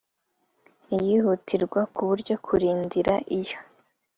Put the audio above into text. iyihutirwa kuburyo kurindira iyo